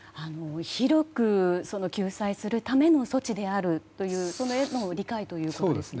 広く救済するための措置であるという部分の理解ということですね。